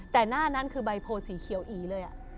แต่หน้านั้นคือใบโพสีเขียวอีเลย